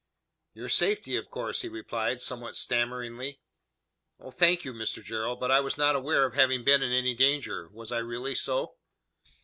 "Your safety of course," he replied, somewhat stammeringly. "Oh, thank you, Mr Gerald; but I was not aware of having been in any danger. Was I really so?"